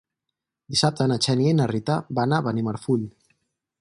Dissabte na Xènia i na Rita van a Benimarfull.